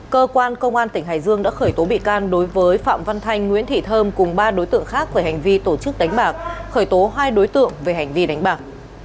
cơ quan công an tỉnh hải dương đã khởi tố bị can đối với phạm văn thanh nguyễn thị thơm cùng ba đối tượng khác về hành vi tổ chức đánh bạc khởi tố hai đối tượng về hành vi đánh bạc